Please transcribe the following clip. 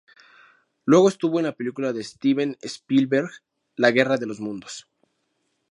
Luego estuvo en la película de Steven Spielberg "La guerra de los mundos".